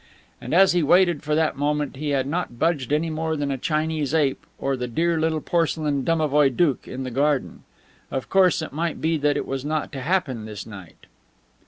And as he waited for that moment he had not budged any more than a Chinese ape or the dear little porcelain domovoi doukh in the garden. Of course it might be that it was not to happen this night.